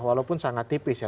walaupun sangat tipis ya